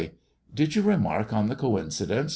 Did you remark on the coincidence